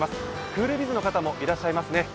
クールビズの方もいらっしゃいますね。